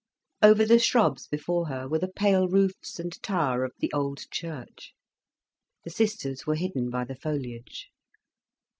Over the shrubs, before her, were the pale roofs and tower of the old church. The sisters were hidden by the foliage.